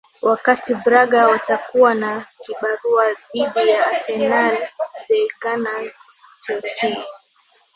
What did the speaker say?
wakati braga watakuwa na kibarua dhidi ya arsenal the gunners chelsea